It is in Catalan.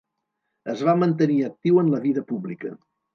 Es va mantenir actiu en la vida pública.